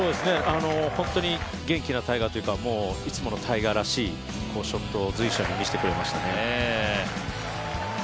本当に元気なタイガーというか、いつものタイガーらしいショットを随所に見せてくれましたね。